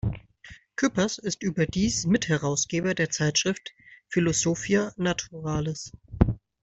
Küppers ist überdies Mitherausgeber der Zeitschrift "Philosophia naturalis".